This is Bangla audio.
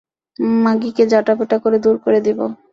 মাগীকে ঝাঁটা পেটা করে দূর করে দেব।